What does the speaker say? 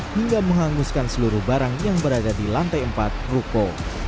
hingga menghanguskan seluruh barang yang berada di lantai empat ruko